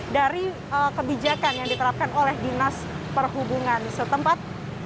dari kebijakan yang diterapkan oleh dinas perhubungan setempat